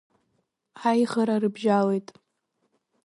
Аиӷара рыбжьалеит.